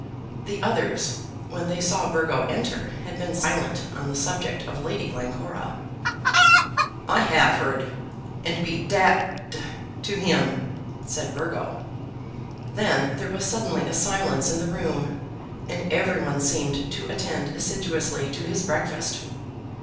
The others, when they saw Burgo enter, had been silent on the subject of Lady Glencora. "I have heard, and be d d to him," said Burgo. Then there was suddenly a silence in the room, and everyone seemed to attend assiduously to his breakfast.